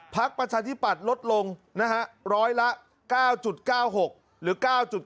พักประชาธิบัตรลดลงนะฮะ๑๐๐ละ๙๙๖หรือ๙๙๖